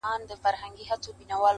د قاضي مخ ته ولاړ وو لاس تړلى،